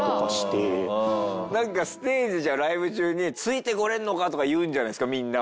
なんかステージじゃライブ中に「ついて来れんのか！」とか言うんじゃないですかみんなは。